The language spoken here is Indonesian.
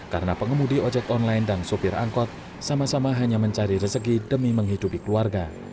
karena pengembudi ojek online dan sopir angkot sama sama hanya mencari rezeki demi menghidupi keluarga